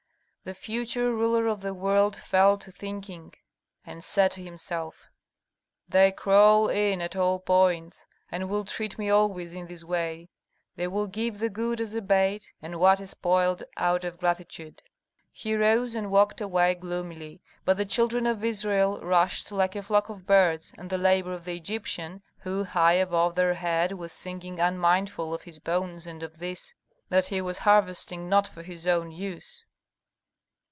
The future ruler of the world fell to thinking, and said to himself, "They crawl in at all points, and will treat me always in this way: they will give the good as a bait, and what is spoiled out of gratitude." He rose and walked away gloomily; but the children of Israel rushed, like a flock of birds, at the labor of the Egyptian, who high above their heads was singing unmindful of his bones and of this, that he was harvesting not for his own use.